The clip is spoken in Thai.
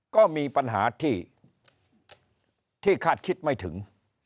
ก็มีปัญหาที่คาดคิดไม่ถึง